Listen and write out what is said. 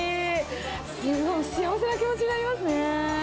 すごい幸せな気持ちになりますね。